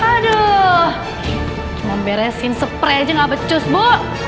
aduh cuma beresin spray aja gak becus bu